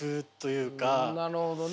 なるほどね。